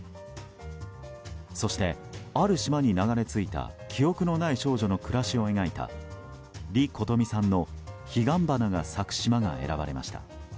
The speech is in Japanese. そして、ある島に流れ着いた記憶のない少女の暮らしを描いた李琴峰さんの「彼岸花が咲く島」が選ばれました。